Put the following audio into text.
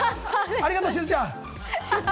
ありがとう、しずちゃん！